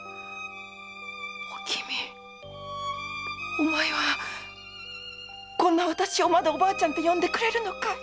おきみこんなわたしをまだおばあちゃんと呼んでくれるのか？